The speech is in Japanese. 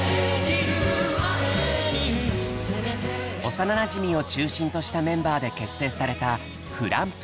幼なじみを中心としたメンバーで結成されたｆｌｕｍｐｏｏｌ。